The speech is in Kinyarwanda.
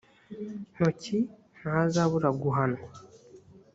ntoki ntazabura guhanwa